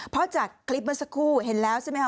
เพราะจากคลิปเมื่อสักครู่เห็นแล้วใช่ไหมคะ